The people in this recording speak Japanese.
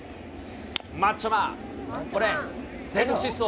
マッチョマン、これ、全力疾走。